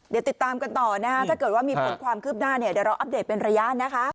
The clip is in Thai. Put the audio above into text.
เดี๋ยวติดตามกันต่อนะคะถ้าเกิดว่ามีผลความคืบหน้าเนี่ยเดี๋ยวเราอัปเดตเป็นระยะนะคะ